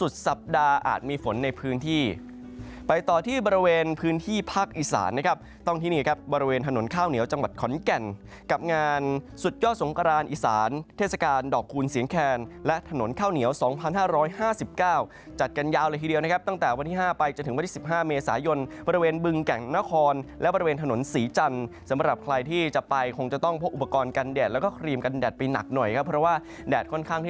ที่นี่นะครับบริเวณถนนข้าวเหนียวจังหวัดขอนแก่นกับงานสุดยอดสงกรานอีสานเทศกาลดอกคูณเสียงแคลและถนนข้าวเหนียว๒๕๕๙จัดกันยาวละทีเดียวนะครับตั้งแต่วันที่๕ไปจะถึงวันที่๑๕เมษายนบริเวณบึงแก่งนครและบริเวณถนนสีจันทร์สำหรับใครที่จะไปคงจะต้องพบอุปกรณ์กันแดดแล้วก็ครีมกันแด